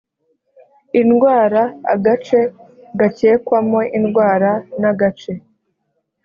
indwara agace gakekwamo indwara n agace